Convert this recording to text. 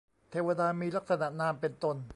เทวดามีลักษณะนามเป็นตน